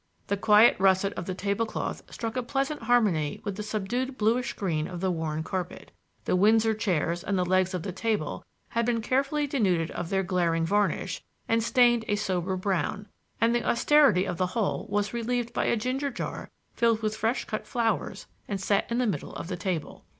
The quiet russet of the table cloth struck a pleasant harmony with the subdued bluish green of the worn carpet; the Windsor chairs and the legs of the table had been carefully denuded of their glaring varnish and stained a sober brown: and the austerity of the whole was relieved by a ginger jar filled with fresh cut flowers and set in the middle of the table.